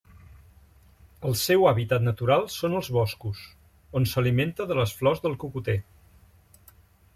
El seu hàbitat natural són els boscos, on s'alimenta de les flors del cocoter.